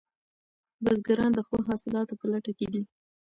بزګران د ښو حاصلاتو په لټه کې دي.